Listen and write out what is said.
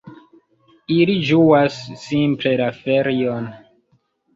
Ili ĝuas simple la ferion.